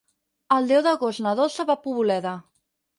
El deu d'agost na Dolça va a Poboleda.